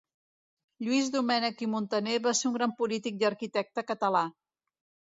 Lluís Domènech i Montaner va ser un gran polític i arquitecte català.